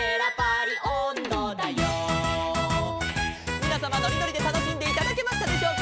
「みなさまのりのりでたのしんでいただけましたでしょうか」